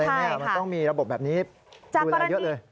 นี่มันต้องมีระบบแบบนี้ดูแลเยอะเลย